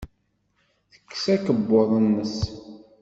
Tekkes akebbuḍ-nnes.